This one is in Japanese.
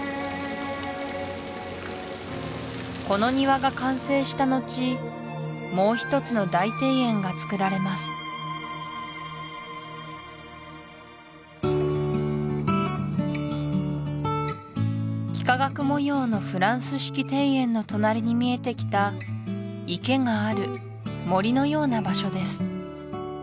この庭が完成したのちもう一つの大庭園が造られます幾何学模様のフランス式庭園の隣に見えてきた池がある森のような場所です